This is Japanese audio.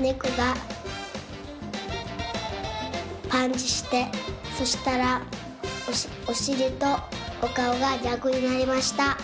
ねこがパンチしてそしたらおしりとおかおがぎゃくになりました。